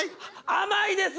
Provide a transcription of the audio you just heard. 甘いです！